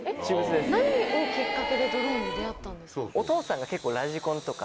何をきっかけでドローンに出合ったんですか？